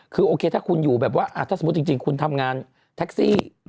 คือโอเคถ้าคุณอยู่แบบว่าถ้าสมมุติจริงคุณทำงานแท็กซี่